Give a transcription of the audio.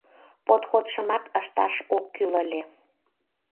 Походшымат ышташ ок кӱл ыле...